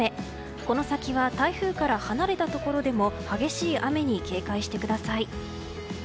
この先は台風から離れたところでも激しい雨に警戒してください。